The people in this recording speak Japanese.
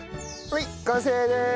はい完成でーす！